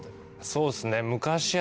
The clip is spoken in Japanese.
そうですね。